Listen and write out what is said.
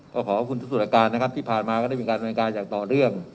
ก็ขอขอบคุณทุกศูนย์อาการนะครับที่ผ่านมาก็ได้เป็นการบรรยาการอย่างต่อเรื่อง